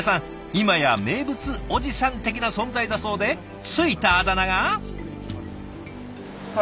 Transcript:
今や名物おじさん的な存在だそうで付いたあだ名が。